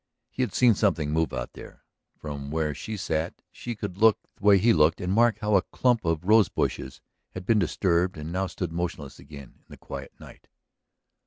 He had seen something move out there; from where she sat she could look the way he looked and mark how a clump of rose bushes had been disturbed and now stood motionless again in the quiet night.